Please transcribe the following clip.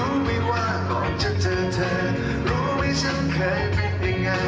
รู้มั้ยว่าตอนฉันเจอเธอรู้มั้ยฉันเคยเป็นยังไง